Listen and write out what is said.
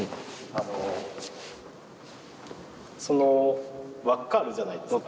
あのその輪っかあるじゃないですか。